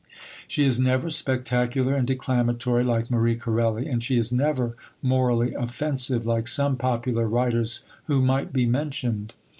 She is never spectacular and declamatory like Marie Corelli, and she is never morally offensive like some popular writers who might be mentioned.